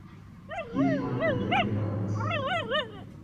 He is one of the demigods.